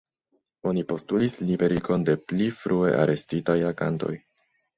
Oni postulis liberigon de pli frue arestitaj agantoj.